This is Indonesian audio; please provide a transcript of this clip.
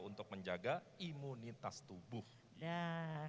untuk menjaga imunitas tubuh